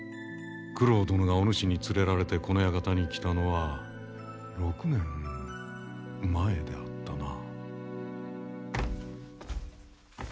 九郎殿がお主に連れられてこの館に来たのは６年前であったな。